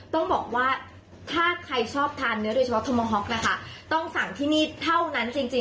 ต้องบอกว่าถ้าใครชอบทานเนื้อโดยเฉพาะนะคะต้องสั่งที่นี่เท่านั้นจริงจริง